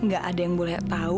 gak ada yang boleh tahu